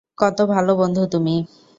কত ভালো বন্ধু তুমি।